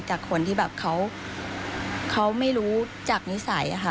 จากคนที่แบบเขาไม่รู้จากนิสัยอะค่ะ